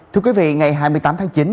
thưa quý vị ngày hai mươi tám tháng chín